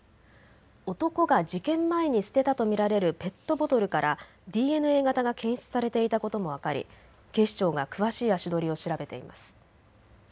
男が事件前に捨てたと見られるペットボトルからＤＮＡ型が検出されていたことも分かり警視庁が詳しい足取りを調べています。